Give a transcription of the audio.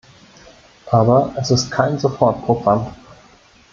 Aber es ist kein Sofortprogramm.